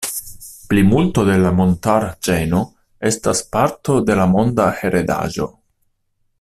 Plimulto de la montara ĉeno estas parto de la Monda heredaĵo.